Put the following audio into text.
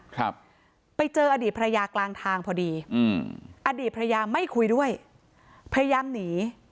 ครับไปเจออดีตภรรยากลางทางพอดีอืมอดีตภรรยาไม่คุยด้วยพยายามหนี